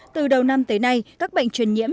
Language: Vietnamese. từ đầu năm tới nay các bệnh truyền nhiễm